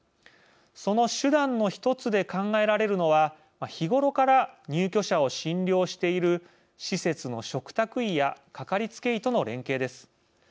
その手段の一つで考えられるのは日頃から入居者を診療している施設の嘱託医やかかりつけ医との連携です。